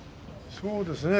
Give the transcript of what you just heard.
そうですね